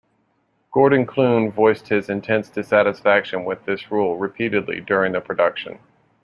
Gordon Clune voiced his intense dissatisfaction with this rule repeatedly during the production.